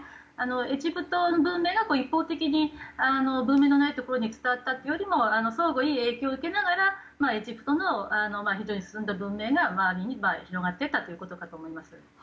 エジプトの文明が一方的に文明のないところに伝わったというよりも相互に影響を受けながらエジプトの非常に進んだ文明が周りに広がっていったということだと思います。